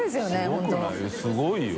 すごいよ。